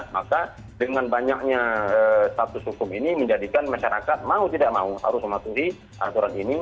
maka dengan banyaknya status hukum ini menjadikan masyarakat mau tidak mau harus mematuhi aturan ini